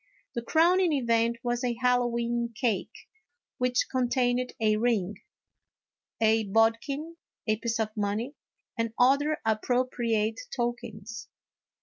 The crowning event was a Hallowe'en cake, which con tained a ring, a bodkin, a piece of money, and other appropriate tokens.